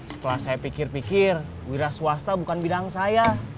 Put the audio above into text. setelah saya pikir pikir wira swasta bukan bidang saya